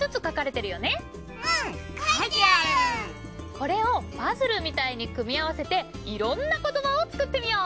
これをパズルみたいに組み合わせていろんな言葉を作ってみよう！